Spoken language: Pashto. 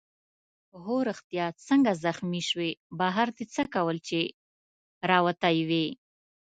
هو ریښتیا څنګه زخمي شوې؟ بهر دې څه کول چي راوتی وې؟